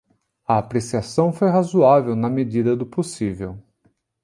A apreciação foi razoável na medida do possível